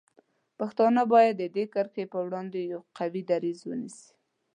پښتانه باید د دې کرښې په وړاندې یو قوي دریځ ونیسي.